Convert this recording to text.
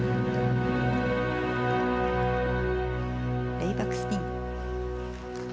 レイバックスピン。